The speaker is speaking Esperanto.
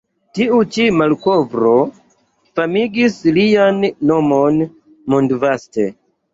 Tiu ĉi malkovro famigis lian nomon mondvaste.